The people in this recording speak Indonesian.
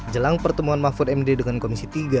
jelang pertemuan mahfud md dengan komisi tiga